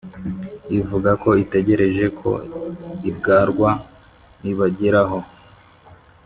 ivuga ko itegereje ko ibwarwa ibageraho